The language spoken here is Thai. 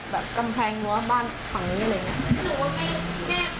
แบบกำแพงรั้วบ้านข้างนี้อะไรเงี้ย